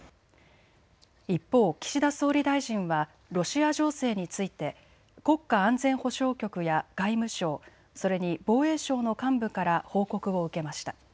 一方、岸田総理大臣はロシア情勢について国家安全保障局や外務省、それに防衛省の幹部から報告を受けました。